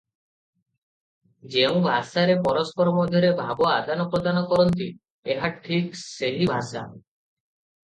ଯେଉଁ ଭାଷାରେ ପରସ୍ପର ମଧ୍ୟରେ ଭାବ ଆଦାନପ୍ରଦାନ କରନ୍ତି ଏହା ଠିକ ସେହି ଭାଷା ।